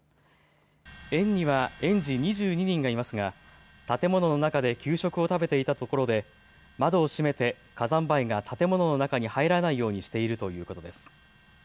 園には園児２２人がいますが建物の中で給食を食べていたところで窓を閉めて火山灰が建物の中に入らないようにしているということです。